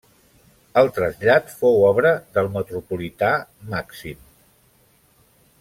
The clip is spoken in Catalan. El trasllat fou obra del metropolità Màxim.